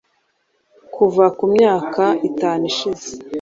kuva mu myaka itanu ishize